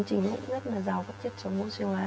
chính cũng rất là giàu các chất chống oxy hóa